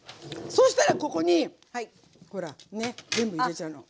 そうしたらここにほらね全部入れちゃうの。